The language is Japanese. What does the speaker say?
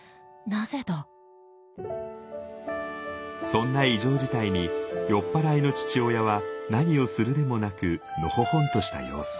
そんな異常事態に酔っ払いの父親は何をするでもなくのほほんとした様子。